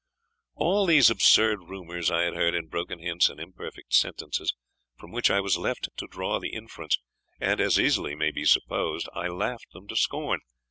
All these absurd rumours I had heard in broken hints and imperfect sentences, from which I was left to draw the inference; and, as easily may be supposed, I laughed them to scorn.